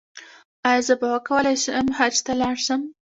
ایا زه به وکولی شم حج ته لاړ شم؟